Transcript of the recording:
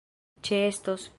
ĉeestos